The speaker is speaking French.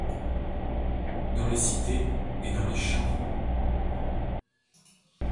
Dans les cités et dans les champs… -